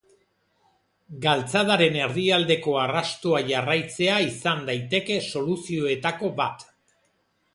Galtzadaren erdialdeko arrastoa jarraitzea izan daiteke soluzioetako bat.